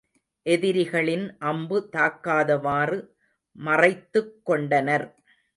எதிரிகளின் அம்பு தாக்காதவாறு மறைத்துக் கொண்டனர்.